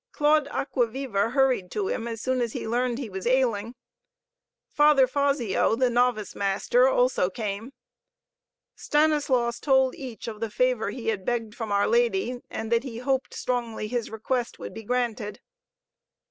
Claude Acquaviva hurried to him as soon as he learned he was ailing. Father Fazio, the novice master, also came. Stanislaus told each of the favor he had begged from our Lady, and that he hoped strongly his request would be granted.